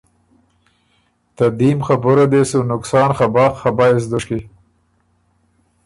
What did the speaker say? ته دیم خبُره دې سو نقصان خه بَۀ، خه بَۀ يې سو دُشکی،